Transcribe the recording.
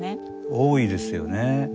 多いですよね。